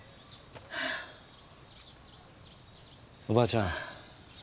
おばあちゃん